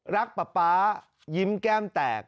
ป๊าป๊ายิ้มแก้มแตก